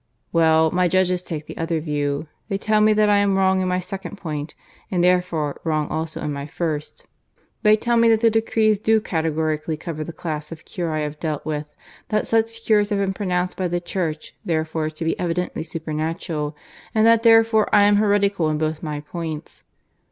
Well, my judges take the other view. They tell me that I am wrong in my second point, and therefore wrong also in my first. They tell me that the decrees do categorically cover the class of cure I have dealt with; that such cures have been pronounced by the Church therefore to be evidently supernatural; and that therefore I am heretical in both my points.